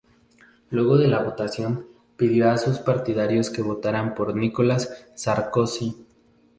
Luego de la votación, pidió a sus partidarios que votaran por Nicolas Sarkozy.